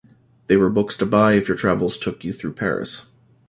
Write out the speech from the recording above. They were books to buy if your travels took you through Paris.